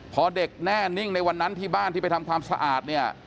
พอเด็กแน่นิ่งในวันนั้นที่บ้านที่ไปทำความสะอาดเนี่ย